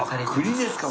栗ですか？